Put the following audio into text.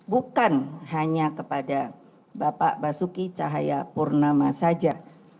bukan hanya kepada bapak basuki cahayapurnama saja